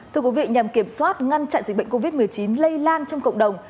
thưa quý vị nhằm kiểm soát ngăn chặn dịch bệnh covid một mươi chín lây lan trong cộng đồng